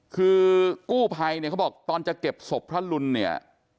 คือกู้ภัยเนี่ยเขาบอกตอนจะเก็บศพพระลุนเนี่ย